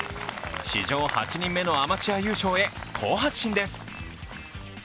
史上８人目のアマチュア優勝へ好発進です。